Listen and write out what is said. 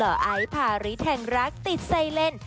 หล่อไอภาริแทงรักติดใสเล่น